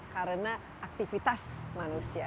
karena aktivitas manusia